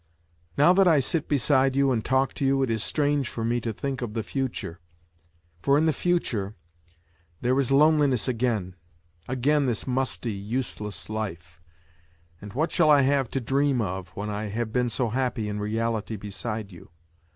Now that I sit beside you and talk to you it is strange for me to think of the future, for in the future there is loneliness again, again this musty, useless life ; and what shall I have to dream of when I have been so happy in reality beside you